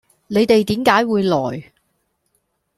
你哋點解會來